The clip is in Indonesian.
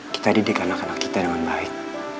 kita didik anak anak kita dengan baik